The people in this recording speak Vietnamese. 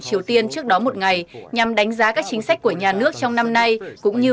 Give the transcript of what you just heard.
triều tiên trước đó một ngày nhằm đánh giá các chính sách của nhà nước trong năm nay cũng như